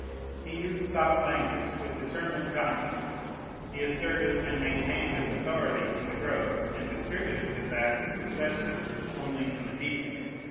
He used soft language with determined conduct. He asserted and maintained his authority in the gross, and distributed his acts of concession only in the detail.